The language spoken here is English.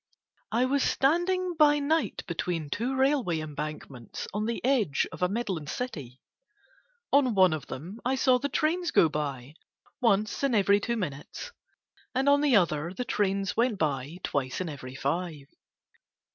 I was standing by night between two railway embankments on the edge of a Midland city. On one of them I saw the trains go by, once in every two minutes, and on the other, the trains went by twice in every five.